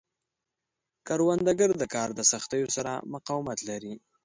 کروندګر د کار د سختیو سره مقاومت لري